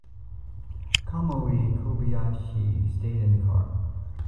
Kamui Kobayashi stayed in the car.